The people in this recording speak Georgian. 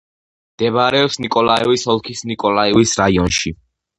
მდებარეობს ნიკოლაევის ოლქის ნიკოლაევის რაიონში.